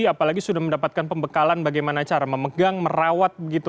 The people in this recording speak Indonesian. apalagi sudah mendapatkan pembekalan bagaimana cara memegang merawat begitu